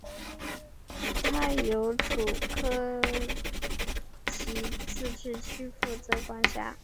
它由楚科奇自治区负责管辖。